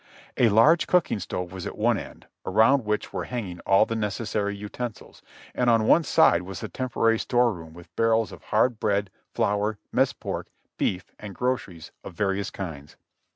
A large cooking stove w^as at one end, around which were hanging all the necessary utensils, and on one side was the temporary store room wath barrels of hard bread, flour, mess pork, beef and groceries of various kinds.